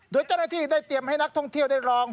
โดยเจ้าหน้าที่ได้เตรียมให้นักท่องเที่ยวได้ลอง